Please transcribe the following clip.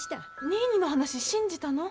ニーニーの話信じたの？